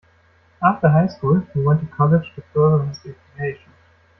After high school, he went to college to further his education.